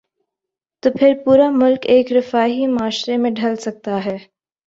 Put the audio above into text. تو پھر پورا ملک ایک رفاہی معاشرے میں ڈھل سکتا ہے۔